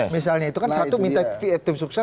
misalnya itu kan satu minta tim sukses